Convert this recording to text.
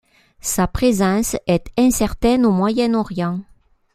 Sa présence est incertaine au Moyen-Orient.